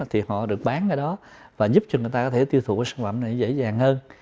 thì họ được bán ở đó và giúp cho người ta có thể tiêu thụ cái sản phẩm này dễ dàng hơn